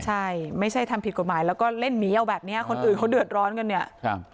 ใช่ไม่ใช่ทำผิดกฎหมายแล้วก็เล่นหมีเอาแบบเนี้ยคนอื่นเขาเดือดร้อนกันเนี่ยครับ